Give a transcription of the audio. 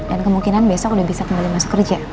dan kemungkinan besok udah bisa kembali masuk kerja